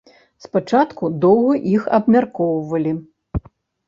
Спачатку доўга іх абмяркоўвалі.